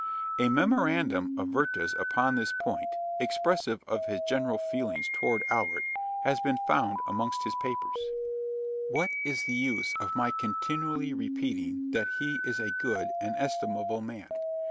A memorandum of Werther's upon this point, expressive of his general feelings toward Albert, has been found amongst his papers. "What is the use of my continually repeating that he is a good and estimable man?